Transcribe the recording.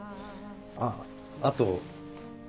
あっあと。